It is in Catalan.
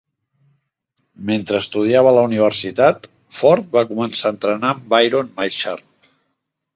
Mentre estudiava a la universitat, Ford va començar a entrenar amb "Iron" Mike Sharpe.